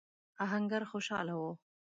آهنګر خوشاله و.